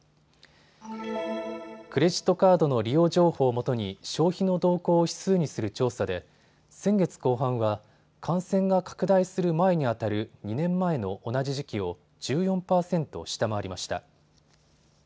クレジットカードの利用情報をもとに消費の動向を指数にする調査で先月後半は感染が拡大する前にあたる２年前の同じ時期を１４％下回りました。